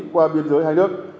qua biên giới hai nước